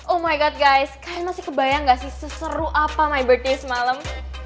oh my god guys kalian masih kebayang gak sih seseru apa my birthday semalam